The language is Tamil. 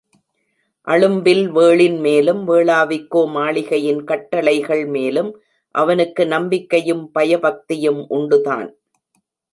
அழும்பில்வேளின் மேலும், வேளாவிக்கோ மாளிகையின் கட்டளைகள் மேலும் அவனுக்கு நம்பிக்கையும் பயபக்தியும் உண்டுதான்.